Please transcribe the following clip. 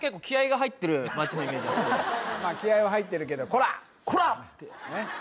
まあ気合いは入ってるけど「こら」「こらっ！」って